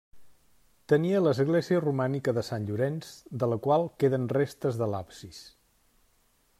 Tenia l'església romànica de Sant Llorenç, de la qual queden restes de l'absis.